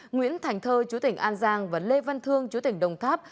nguyễn thành thơ chú tỉnh an giang và lê văn thương chú tỉnh đồng tháp